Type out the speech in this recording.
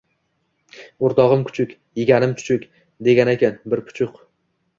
– O‘rtog‘im kuchuk – yeganim chuchuk, deganakan… bir puchuq